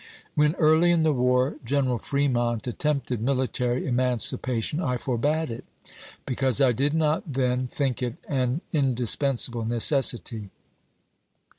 When, early in the war, General Fremont attempted military emancipation, I forbade it, because I did not then thin^^ it an indispensable necessity.